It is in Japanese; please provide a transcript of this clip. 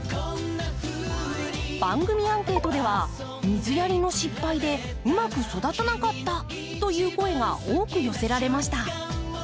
番組アンケートでは水やりの失敗でうまく育たなかったという声が多く寄せられました。